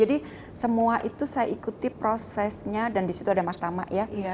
jadi semua itu saya ikuti prosesnya dan disitu ada mas tama ya